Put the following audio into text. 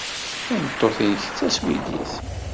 Tameṭṭut-nnek d taswidit.